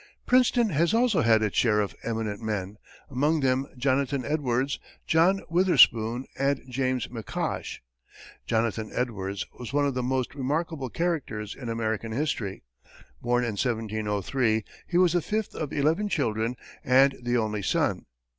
Princeton has also had its share of eminent men, among them Jonathan Edwards, John Witherspoon, and James McCosh. Jonathan Edwards was one of the most remarkable characters in American history. Born in 1703, he was the fifth of eleven children and the only son.